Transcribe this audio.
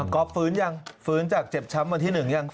ก็ฟื้นยังฟื้นจากเจ็บช้ำวันที่๑ยัง